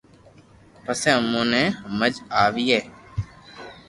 پسو اموني ني ھمج ۾ اوي